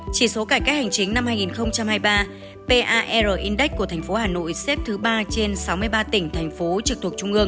chỉ số cải cách hành chính năm hai nghìn hai mươi ba par index của thành phố hà nội xếp thứ ba trên sáu mươi ba tỉnh thành phố trực thuộc trung ương